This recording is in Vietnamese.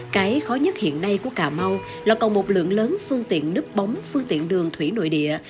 cái khó nhất hiện nay của cà mau là còn một lượng lớn phương tiện nấp bóng phương tiện đường thủy nội địa